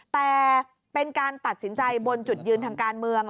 แต่เป็นการตัดสินใจบนจุดยืนทางการเมือง